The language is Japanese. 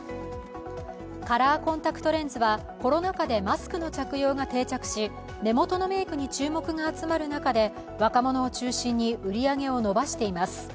カラーコンタクトレンズはコロナ禍でマスクの着用が定着し、目元のメイクに注目が集まる中で若者を中心に売り上げを伸ばしています。